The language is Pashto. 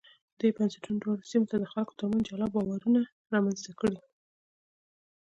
دې بنسټونو د دواړو سیمو د خلکو ترمنځ جلا باورونه رامنځته کړي.